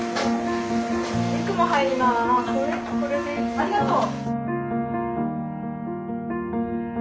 ありがとう。